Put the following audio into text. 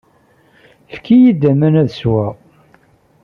Efk-iyi-d aman, ad sweɣ.